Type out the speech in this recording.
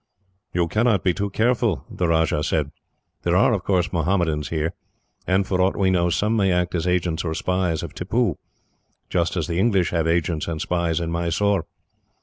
"You cannot be too careful," the Rajah said. "There are, of course, Mohammedans here; and, for aught we know, some may act as agents or spies of Tippoo, just as the English have agents and spies in Mysore.